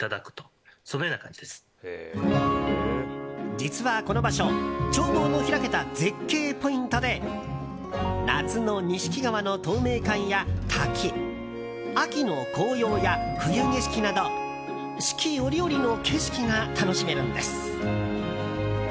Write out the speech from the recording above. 実は、この場所眺望の開けた絶景ポイントで夏の錦川の透明感や滝秋の紅葉や冬景色など四季折々の景色が楽しめるんです。